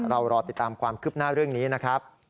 รอติดตามความคืบหน้าเรื่องนี้นะครับ